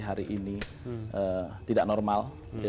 hari ini tidak normal